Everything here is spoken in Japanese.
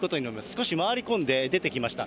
少し回り込んで出てきました。